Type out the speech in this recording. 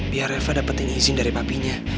biar reva dapetin izin dari papinya